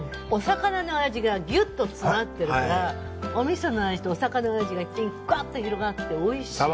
お魚の味がギュッと詰まってるからお味噌の味とお魚の味がグワッと広がっておいしい。